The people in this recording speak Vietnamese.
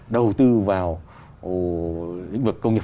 đầu tư vào lĩnh vực công nghiệp